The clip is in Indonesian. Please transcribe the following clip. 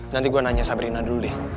nanti gue nanya sabrina dulu deh